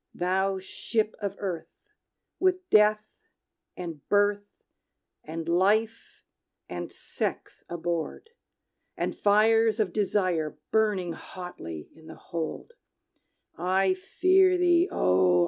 "Thou Ship of Earth, with Death, and Birth, and Life, and Sex aboard, And fires of Desires burning hotly in the hold, I fear thee, O!